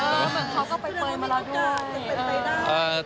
หมายความแบบเค้าก็ไปฟังแล้วด้วย